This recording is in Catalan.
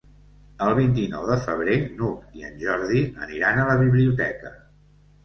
El vint-i-nou de febrer n'Hug i en Jordi aniran a la biblioteca.